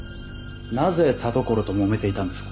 なぜ田所ともめていたんですか？